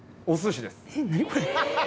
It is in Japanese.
おすしです。